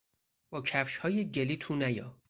با کفشهای گلی تو نیا!